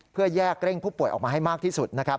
เพื่อแยกเร่งผู้ป่วยออกมาให้มากที่สุดนะครับ